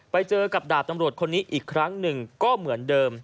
ไปเจอกับดาบตำรวจคนนี้อีกครั้งหนึ่งก็เหมือนเดิม